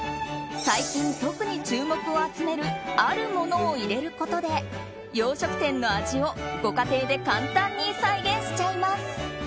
最近、特に注目を集めるあるものを入れることで洋食店の味を、ご家庭で簡単に再現しちゃいます。